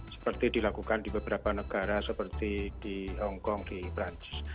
seperti dilakukan di beberapa negara seperti di hongkong di perancis